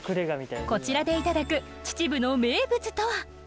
こちらでいただく秩父の名物とは。